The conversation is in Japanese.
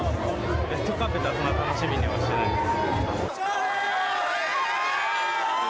レッドカーペットは楽しみにはしてないです。